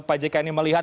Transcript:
apakah pak jk ini melihat